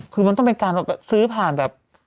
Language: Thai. คือมันต้องเป็นการแบบซื้อผ่านแบบ